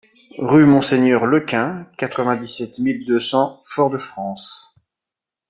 Rue Monseigneur Lequin, quatre-vingt-dix-sept mille deux cents Fort-de-France